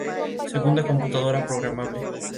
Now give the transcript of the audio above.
Segunda computadora programable.